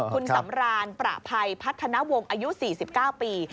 คุณสำรานประภัยพัฒนวงศ์อายุ๔๙ปี